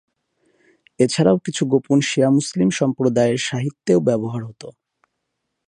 এছাড়াও কিছু গোপন শিয়া মুসলিম সম্প্রদায়ের সাহিত্যেও ব্যবহার হত।